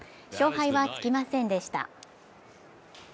勝敗はつきませんでした。